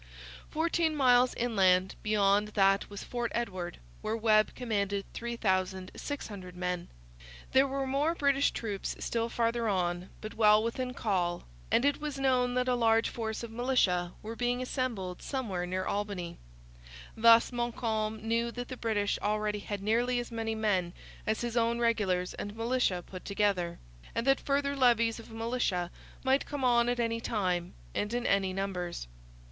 Fourteen miles inland beyond that was Fort Edward, where Webb commanded 3,600 men. There were goo more British troops still farther on, but well within call, and it was known that a large force of militia were being assembled somewhere near Albany. Thus Montcalm knew that the British already had nearly as many men as his own regulars and militia put together, and that further levies of militia might come on at any time and in any numbers.